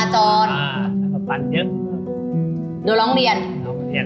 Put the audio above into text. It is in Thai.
โดยลองเรียน